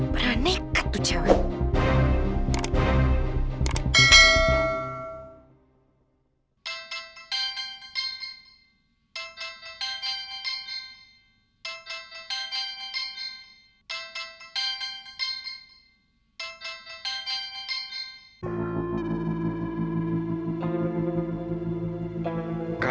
padahal nekat tuh cewek